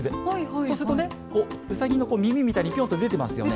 そうするとね、うさぎの耳みたいにぴょんと出てますよね。